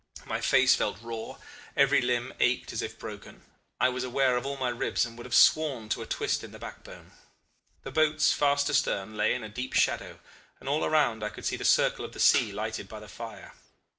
My face felt raw, every limb ached as if broken, I was aware of all my ribs, and would have sworn to a twist in the back bone. The boats, fast astern, lay in a deep shadow, and all around I could see the circle of the sea lighted by the fire.